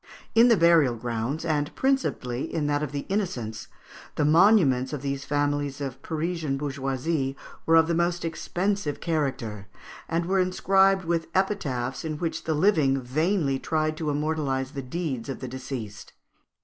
In the burial grounds, and principally in that of the Innocents, the monuments of these families of Parisian bourgeoisie were of the most expensive character, and were inscribed with epitaphs in which the living vainly tried to immortalise the deeds of the deceased.